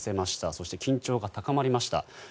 そして、緊張が高まりました。